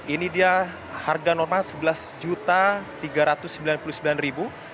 ini dia harga normal sebelas juta tiga ratus sembilan puluh sembilan ribu